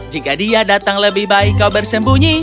jika dia datang lebih baik kau bersembunyi